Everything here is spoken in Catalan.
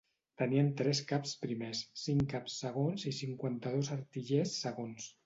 Tenien tres caps primers, cinc caps segons i cinquanta-dos artillers segons.